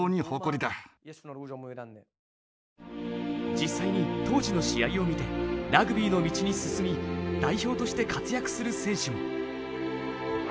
実際に当時の試合を見てラグビーの道に進み代表として活躍する選手も。